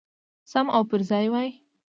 سم او پرځای وای.